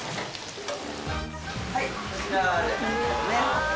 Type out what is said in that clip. はいこちらですね